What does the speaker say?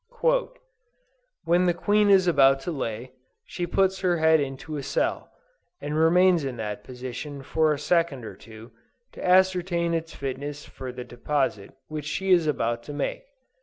"When the queen is about to lay, she puts her head into a cell, and remains in that position for a second or two, to ascertain its fitness for the deposit which she is about to make.